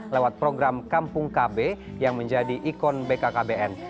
lewat program kampung kb yang menjadi ikon bkkbn